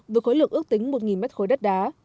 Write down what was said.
với khối lượng ước tính một m ba đất đá